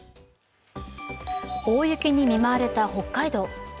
大雪に見舞われた北海道。